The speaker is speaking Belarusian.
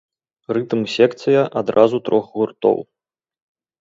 Рытм-секцыя адразу трох гуртоў!